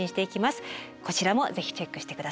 こちらも是非チェックしてください。